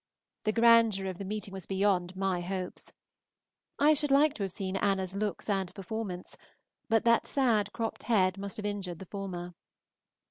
The grandeur of the meeting was beyond my hopes. I should like to have seen Anna's looks and performance, but that sad cropped head must have injured the former.